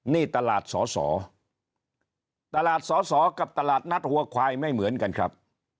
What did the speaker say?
นี่ตลาดสอสอตลาดสอสอกับตลาดนัดหัวควายไม่เหมือนกันครับ